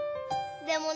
でもね